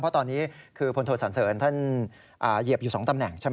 เพราะตอนนี้คือพลโทสันเสริญท่านเหยียบอยู่๒ตำแหน่งใช่ไหม